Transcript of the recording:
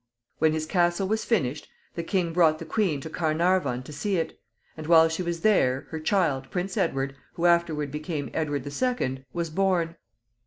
When his castle was finished the king brought the queen to Caernarvon to see it, and while she was there, her child, Prince Edward, who afterward became Edward the Second, was born.